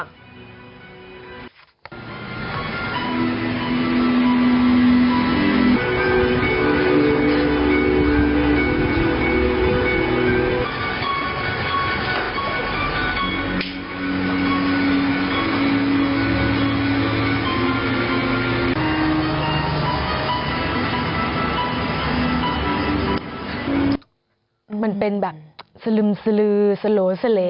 มาดูมันเป็นแบบสลึมสลือสะโหลสะเหล